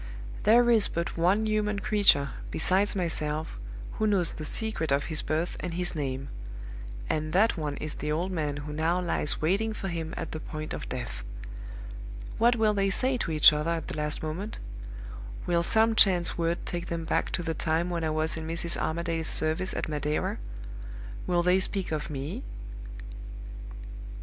There is but one human creature, besides myself, who knows the secret of his birth and his name; and that one is the old man who now lies waiting for him at the point of death. What will they say to each other at the last moment? Will some chance word take them back to the time when I was in Mrs. Armadale's service at Madeira? Will they speak of Me?"